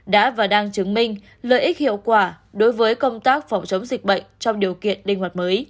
đã và đang chứng minh lợi ích hiệu quả đối với công tác phòng chống dịch